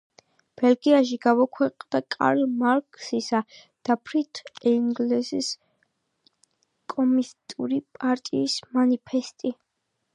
ბელგიაში გამოქვეყნდა კარლ მარქსისა და ფრიდრიხ ენგელსის „კომუნისტური პარტიის მანიფესტი“.